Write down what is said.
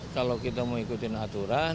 kalau kita mau ikutin aturan